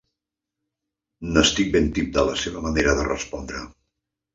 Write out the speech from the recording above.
N'estic ben tip, de la seva manera de respondre.